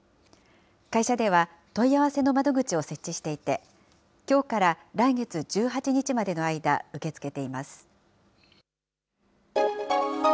会社では問い合わせの窓口を設置していて、きょうから来月１８日までの間、受け付けています。